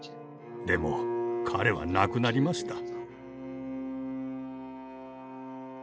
でも彼は亡くなりました。